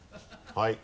はい。